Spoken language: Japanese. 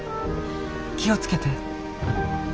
気を付けて。